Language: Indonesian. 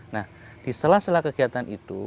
nah di setelah setelah kegiatan itu